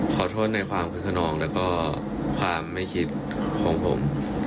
ขอโทษในความคึกขนองแล้วก็ความไม่คิดของผม